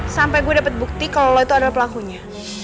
sampai gue dapet bukti kalo lo itu adalah pelakunya